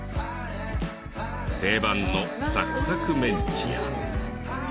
定番のサクサクメンチや。